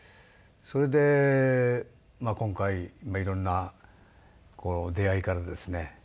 それで今回色んな出会いからですね